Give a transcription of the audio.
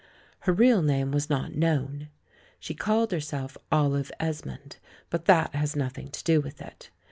Her real name was not known. She called herself "Olive Es mond," but that has nothing to do with it.